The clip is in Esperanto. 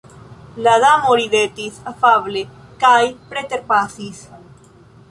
La Damo ridetis afable kaj preterpasis!